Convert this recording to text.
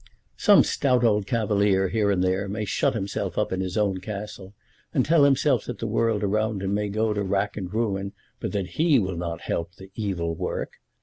Some stout old cavalier here and there may shut himself up in his own castle, and tell himself that the world around him may go to wrack and ruin, but that he will not help the evil work.